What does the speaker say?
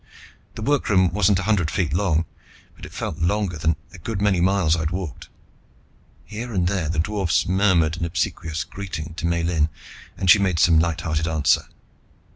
The workroom wasn't a hundred feet long, but it felt longer than a good many miles I've walked. Here and there the dwarfs murmured an obsequious greeting to Miellyn, and she made some lighthearted answer.